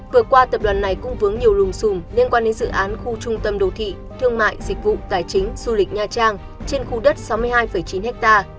vừa qua tập đoàn này cũng vướng nhiều lùm xùm liên quan đến dự án khu trung tâm đồ thị thương mại dịch vụ tài chính du lịch nha trang trên khu đất sáu mươi hai chín ha